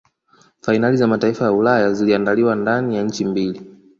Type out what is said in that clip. fainali za mataifa ya Ulaya ziliandaliwa ndani ya nchi mbili